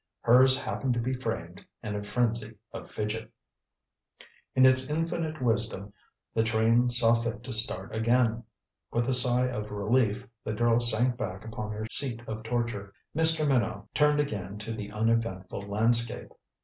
Hers happened to be framed in a frenzy of fidget. In its infinite wisdom, the train saw fit to start again. With a sigh of relief, the girl sank back upon her seat of torture. Mr. Minot turned again to the uneventful landscape.